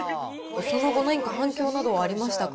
放送後、何か反響などありましたか。